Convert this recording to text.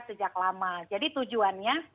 sejak lama jadi tujuannya